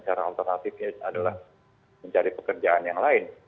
cara alternatifnya adalah mencari pekerjaan yang lain